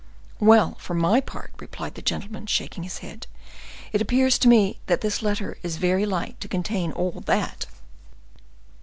"Well, for my part," replied the gentleman, shaking his head, "it appears to me that this letter is very light to contain all that."